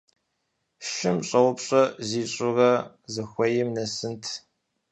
Шым щӏэупщӏэ зищӏурэ, зыхуейм нэсынт.